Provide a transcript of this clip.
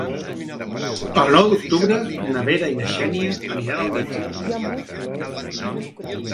El nou d'octubre na Vera i na Xènia aniran al metge.